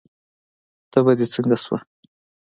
تبه دې څنګه شوه؟